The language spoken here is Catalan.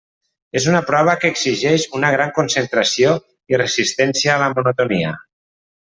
És una prova que exigeix una gran concentració i resistència a la monotonia.